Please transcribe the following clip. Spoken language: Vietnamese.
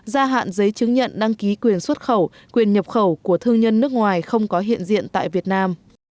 gia hạn giấy chứng nhận đăng ký quyền xuất khẩu quyền nhập khẩu của thương nhân nước ngoài không có hiện diện tại việt nam